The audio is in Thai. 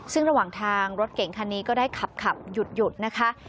ซึ่งระหว่างทางรถเก่งคันนี้ก็ได้ขับหยุดนะคะ